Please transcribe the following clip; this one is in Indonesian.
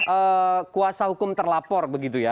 eh kuasa hukum terlapor begitu ya